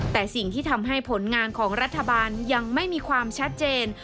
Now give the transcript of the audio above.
แต่สิ่งที่ทำให้ผลงานของรัฐบาลยังไม่มีความชัดเจน